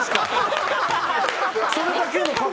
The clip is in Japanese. それだけの係。